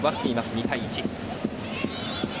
２対１。